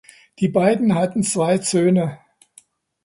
Die beiden hatten zwei Söhne.